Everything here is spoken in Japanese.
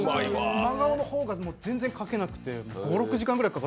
真顔の方が全然描けなくて。